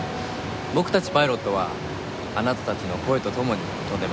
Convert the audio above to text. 僕たちパイロットはあなたたちの声と共に飛んでます。